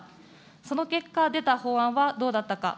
その結果、出た法案はどうだったか。